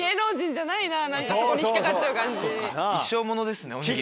一生物ですねおにぎりは。